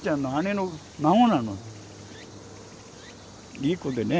いい子でね。